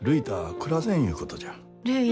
暮らせんいうことじゃ。